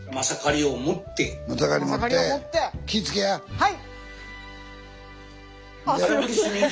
はい。